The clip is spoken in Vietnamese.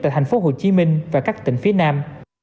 tại thành phố hồ chí minh và các tỉnh phía nam